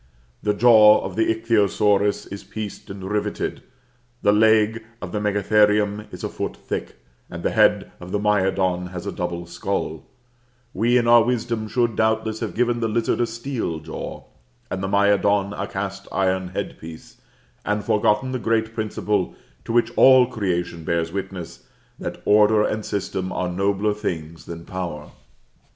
The jaw of the ichthyosaurus is pieced and riveted, the leg of the megatherium is a foot thick, and the head of the myodon has a double skull; we, in our wisdom, should, doubtless, have given the lizard a steel jaw, and the myodon a cast iron headpiece, and forgotten the great principle to which all creation bears witness, that order and system are nobler things than power.